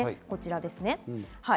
こちらです。